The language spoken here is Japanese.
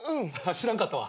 知らんかったわ。